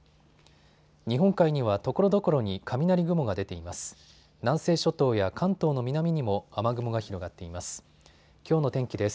日本海にはところどころに雷雲が出ています。